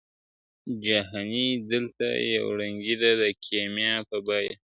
جهاني دلته یو رنګي ده د کېمیا په بیه !.